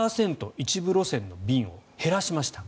一部路線の便を減らしました。